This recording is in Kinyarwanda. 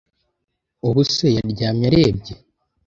ubuse yaryamye arebye?